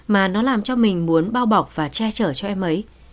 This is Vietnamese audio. mà nó làm cho mình muốn bao bọc và che chở cho em ấy